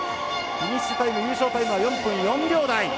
フィニッシュタイム優勝タイムは４分４秒台。